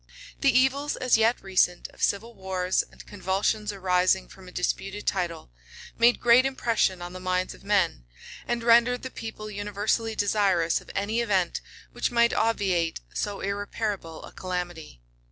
The evils, as yet recent, of civil wars and convulsions arising from a disputed title, made great impression on the minds of men, and rendered the people universally desirous of any event which might obviate so irreparable a calamity.